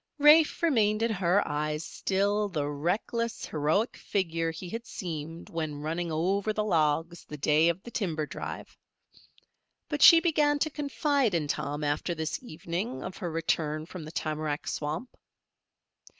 Rafe remained in her eyes still the reckless, heroic figure he had seemed when running over the logs the day of the timber drive. But she began to confide in Tom after this evening of her return from the tamarack swamp.